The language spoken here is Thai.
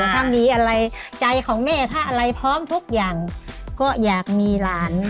ถ้ามีอะไรใจของแม่ถ้าอะไรพร้อมทุกอย่างก็อยากมีหลาน